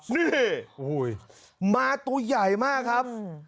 นี่มาตัวใหญ่มากครับ